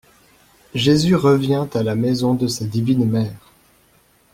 Jésus revient à la maison de sa divine mère.